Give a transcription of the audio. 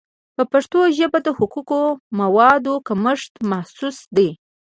په پښتو ژبه د حقوقي موادو کمښت محسوس دی.